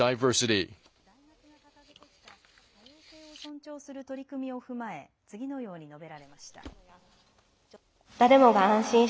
そのうえで大学が掲げてきた多様性を尊重する取り組みを踏まえ次のように述べられました。